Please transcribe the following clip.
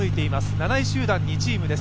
７位集団２チームです。